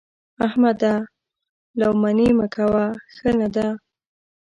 احمده! لو منې مه کوه؛ ښه نه ده.